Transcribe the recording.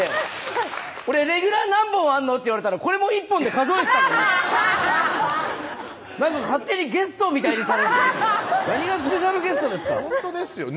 俺「レギュラー何本あんの？」って言われたらこれも１本で数えてたのに勝手にゲストみたいにされて何がスペシャルゲストですかほんとですよね